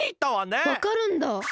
わかるんだ！？